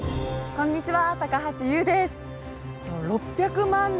こんにちは。